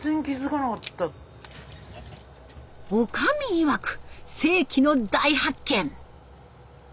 いわく世紀の大発見！